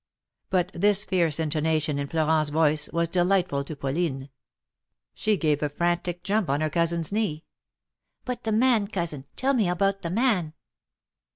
But this fierce intonation in Florent's voice was delight ful to Pauline. She gave a frantic jump on her cousin's knee. ''But the man, cousin; tell me about the man!"